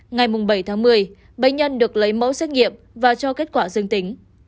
ngày bảy tháng một mươi bệnh nhân được lấy mẫu xét nghiệm và cho kết quả dương tính